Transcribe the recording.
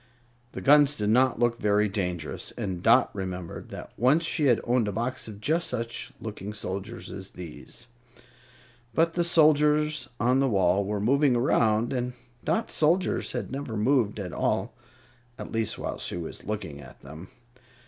The guns did not look very dangerous, and Dot remembered that once she had owned a box of just such looking soldiers as these. But the soldiers on the wall were moving around, and Dot's soldiers had never moved at all at least, while she was looking at them.